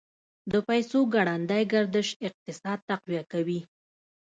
د پیسو ګړندی گردش اقتصاد تقویه کوي.